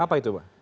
apa itu pak